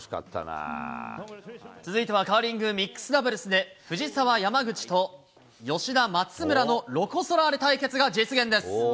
続いてはカーリングミックスダブルスで、藤澤・山口と吉田・松村のロコ・ソラーレ対決が実現です。